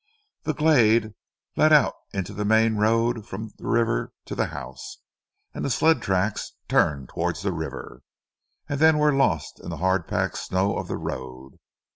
The glade led out into the main road from the river to the house, and the sled tracks turned towards the river, and then were lost in the hard packed snow of the road.